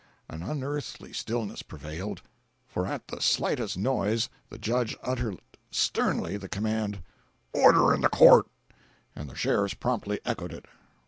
An unearthly stillness prevailed, for at the slightest noise the judge uttered sternly the command: "Order in the Court!" And the sheriffs promptly echoed it.